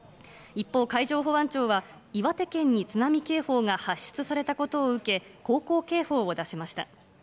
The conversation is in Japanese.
一方、海上保安庁は岩手県に津波警報が発出されたことを受け、航行警報を出しました。